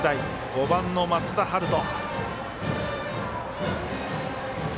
５番の松田陽斗。